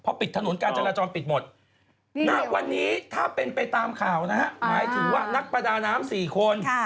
ปิดถนนการจราจรปิดหมดณวันนี้ถ้าเป็นไปตามข่าวนะฮะหมายถึงว่านักประดาน้ำ๔คน